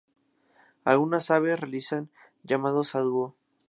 Algunas aves realizan llamados a dúo.